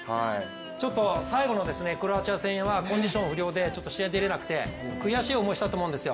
ちょっと、最後のクロアチア戦はコンディション不良で試合に出れなくて悔しい思いをしたと思うんですよ。